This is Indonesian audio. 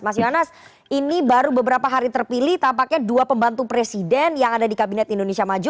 mas yonas ini baru beberapa hari terpilih tampaknya dua pembantu presiden yang ada di kabinet indonesia maju